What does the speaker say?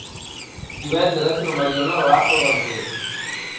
Divendres na Mariona va al Verger.